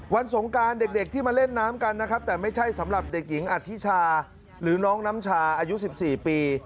สงการเด็กที่มาเล่นน้ำกันนะครับแต่ไม่ใช่สำหรับเด็กหญิงอธิชาหรือน้องน้ำชาอายุ๑๔ปี